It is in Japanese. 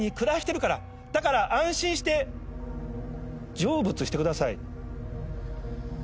だから安心して成仏してください。